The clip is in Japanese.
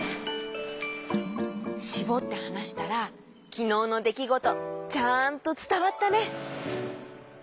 しぼってはなしたらきのうのできごとちゃんとつたわったね！